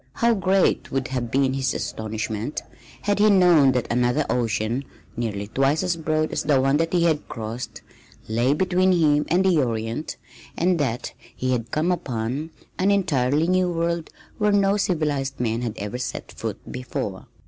How great would have been his astonishment had he known that another ocean nearly twice as broad as the one that he had crossed, lay between him and the Orient, and that he had come upon an entirely New World where no civilized men had ever set foot before!